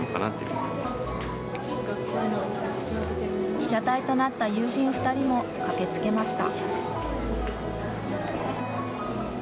被写体となった友人２人も駆けつけました。